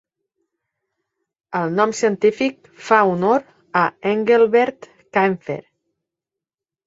El nom científic fa honor a Engelbert Kaempfer.